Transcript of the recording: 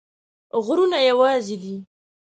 غرونه یوازي دي